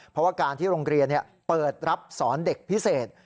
เพราะว่าการที่โรงเรียนเปิดรับสอนเด็กพิเศษ